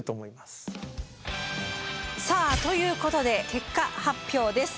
さあということで結果発表です。